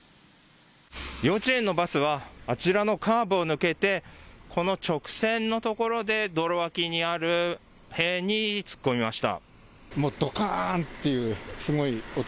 幼稚園のバスはあちらのカーブを抜けてこの直線のところで道路脇にある塀に突っ込みました。